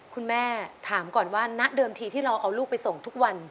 คุณแม่ถามก่อนว่าณเดิมทีที่เราเอาลูกไปส่งทุกวัน